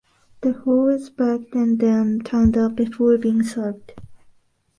The whole is baked and then turned out before being served.